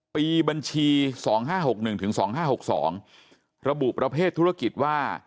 บัญชี๒๕๖๑ถึง๒๕๖๒ระบุประเภทธุรกิจว่า